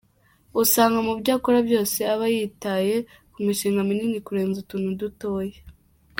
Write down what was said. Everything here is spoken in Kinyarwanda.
Usanga mu byo akora byose aba yitaye ku mishinga minini kurenza utuntu dutoya.